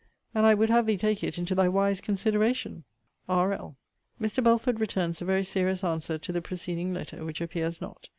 And I would have thee take it into thy wise consideration. R.L. Mr. Belford returns a very serious answer to the preceding letter; which appears not.